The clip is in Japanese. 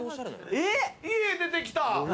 家でてきた！